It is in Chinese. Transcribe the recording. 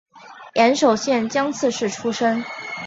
岩手县江刺市出身。